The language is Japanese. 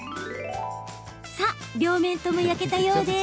さあ、両面とも焼けたようです。